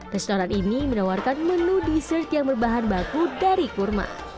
restoran ini menawarkan menu dessert yang berbahan baku dari kurma